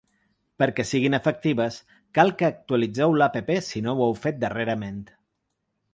Perquè siguin efectives, cal que actualitzeu l’app si no ho heu fet darrerament.